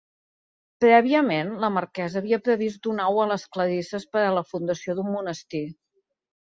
Prèviament, la marquesa havia previst donar-ho a les clarisses per a la fundació d'un monestir.